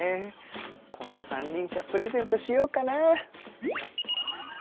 この三輪車プレゼントしようかな。